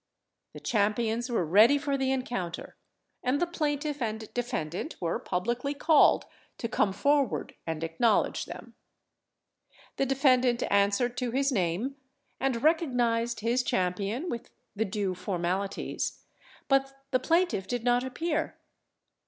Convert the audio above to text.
The champions were ready for the encounter, and the plaintiff and defendant were publicly called to come forward and acknowledge them. The defendant answered to his name, and recognised his champion with the due formalities, but the plaintiff did not appear.